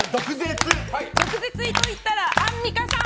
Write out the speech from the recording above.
毒舌といったらアンミカさん。